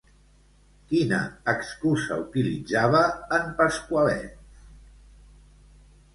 Quina excusa utilitzava en Pasqualet?